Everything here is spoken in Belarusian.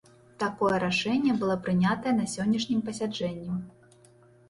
Такое рашэнне было прынятае на сённяшнім пасяджэнні.